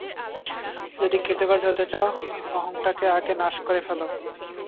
যদি কৃতকার্য হতে চাও, অহংটাকে আগে নাশ করে ফেল।